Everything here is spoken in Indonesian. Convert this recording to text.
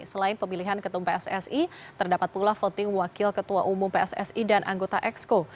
selain pemilihan ketum pssi terdapat pula voting wakil ketua umum pssi dan anggota exco